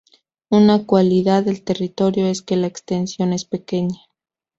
Una cualidad del territorio es que la extensión es pequeña.